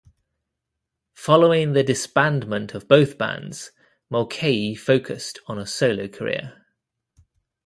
Following the disbandment of both bands, Mulcahy focused on a solo career.